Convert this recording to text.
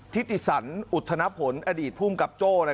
ทิศศรรย์อุทนผลอดีตผู้กำกับโจ้